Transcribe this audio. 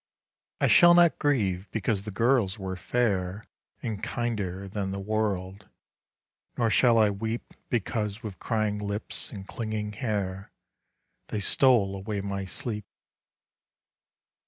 I shall not grieve because the girls were fair And kinder than the world, nor shall I weep Because with crying lips and clinging hair They stole away my sleep.